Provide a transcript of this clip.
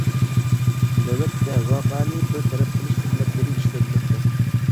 نۆۋەتتە ۋەقەنى بىر تەرەپ قىلىش خىزمەتلىرى ئىشلەنمەكتە.